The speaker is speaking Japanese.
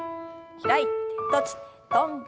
開いて閉じて跳んで。